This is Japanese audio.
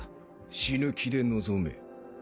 死ぬ気で臨め